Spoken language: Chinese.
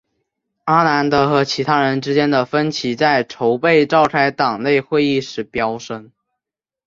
阿南德和其他人之间的分歧在筹备召开党内会议时飙升。